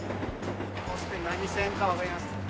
ここって何線かわかります？